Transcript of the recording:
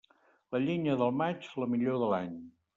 La llenya del maig, la millor de l'any.